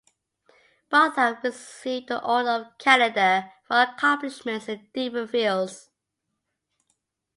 Both have received the Order of Canada for accomplishments in different fields.